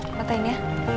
eh fotain ya